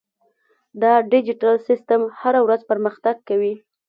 دا ډیجیټل سیستم هره ورځ پرمختګ کوي.